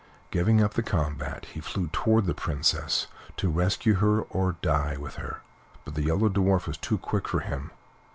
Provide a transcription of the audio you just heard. Giving up the combat, he flew toward the Princess, to rescue or to die with her; but the Yellow Dwarf was too quick for him.